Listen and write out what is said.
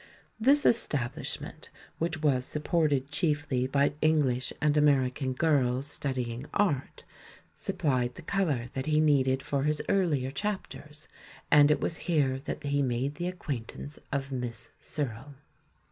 This establishment, which was supported chiefly by English and American girls studying art, supplied the "colour" that he need 4 THE MAN WHO UNDERSTOOD WOMEN ed for his earlier chapters; and it was here that he made the acquaintance of Miss Searle.